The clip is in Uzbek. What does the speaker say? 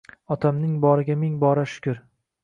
Otamning boriga ming bora shkur